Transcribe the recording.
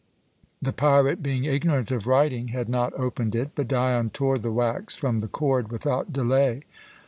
The pirate, being ignorant of writing, had not opened it, but Dion tore the wax from the cord without delay.